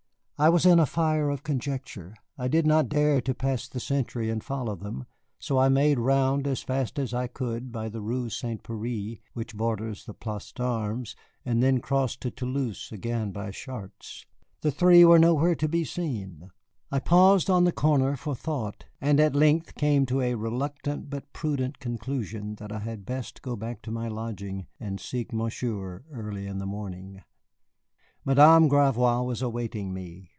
I was in a fire of conjecture. I did not dare to pass the sentry and follow them, so I made round as fast as I could by the Rue St. Pierre, which borders the Place d'Armes, and then crossed to Toulouse again by Chartres. The three were nowhere to be seen. I paused on the corner for thought, and at length came to a reluctant but prudent conclusion that I had best go back to my lodging and seek Monsieur early in the morning. Madame Gravois was awaiting me.